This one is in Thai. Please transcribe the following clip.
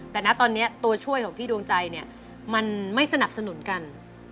แต่นะตอนนี้ตัวช่วยของพี่ดวงใจเนี่ยมันไม่สนับสนุนกัน